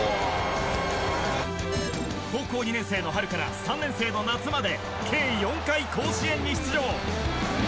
高校２年生の春から３年生の夏まで計４回甲子園に出場。